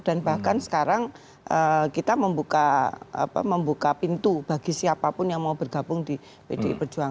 dan bahkan sekarang kita membuka pintu bagi siapapun yang mau bergabung di pdip